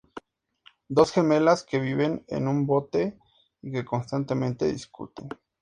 Dos gemelas que viven en un bote y que constantemente discuten.